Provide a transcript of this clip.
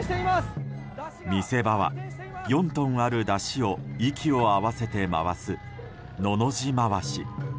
見せ場は、４トンある山車を息を合わせて回すのの字まわし。